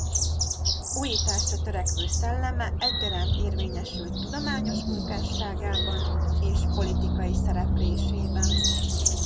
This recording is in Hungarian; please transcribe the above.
Újításra törekvő szelleme egyaránt érvényesült tudományos munkásságában és politikai szereplésében.